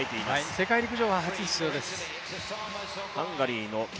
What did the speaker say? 世界陸上は初出場です。